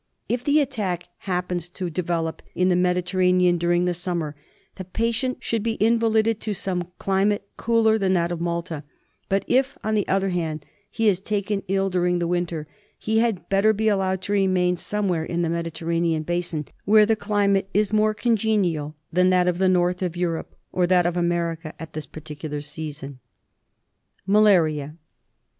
If the attack happens to develop in the Mediterranean during the summer, the patient should be invalided to some climate cooler than that of Malta ; but if, on the other hand, he is taken ill during the winter, he had better be allowed to remain somewhere in the Mediter ranean basin where the climate is more congenial than that of the north of Europe or that of America at this particular season. Malaria.